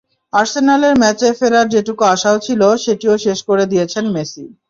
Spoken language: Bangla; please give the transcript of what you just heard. আর্সেনালের ম্যাচে ফেরার যেটুকু আশাও ছিল, সেটিও শেষ করে দিয়েছেন মেসি।